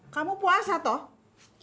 kamu puasa toh